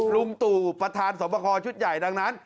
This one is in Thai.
ลุงตู่ประธานสวบคอชุดใหญ่ดังนั้น